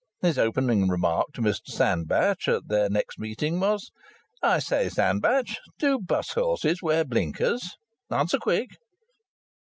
his opening remark to Mr Sandbach at their next meeting was: "I say, Sandbach, do 'bus horses wear blinkers? Answer quick!"